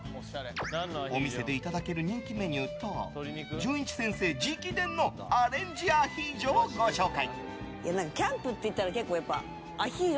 お店でいただける人気メニューとじゅんいち先生直伝のアレンジアヒージョをご紹介。